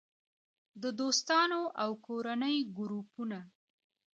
- د دوستانو او کورنۍ ګروپونه